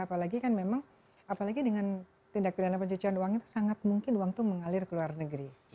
apalagi kan memang apalagi dengan tindak pidana pencucian uang itu sangat mungkin uang itu mengalir ke luar negeri